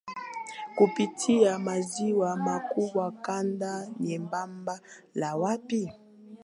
kupitia maziwa makubwa Kanda nyembamba la pwani